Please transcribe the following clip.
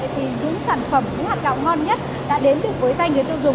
thì những sản phẩm những hạt gạo ngon nhất đã đến được với tay người tiêu dùng